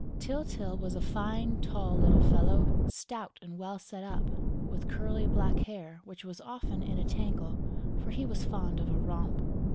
Tyltyl was a fine, tall little fellow, stout and well set up, with curly black hair which was often in a tangle, for he was fond of a romp.